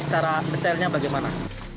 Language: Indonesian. secara detailnya bagaimana